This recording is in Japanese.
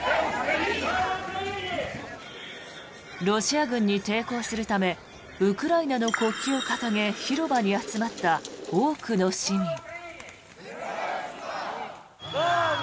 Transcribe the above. ロシア軍に抵抗するためウクライナの国旗を掲げ広場に集まった多くの市民。